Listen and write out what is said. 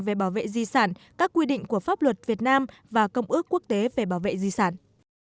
về bảo vệ di sản các quy định của pháp luật việt nam và công ước quốc tế về bảo vệ di sản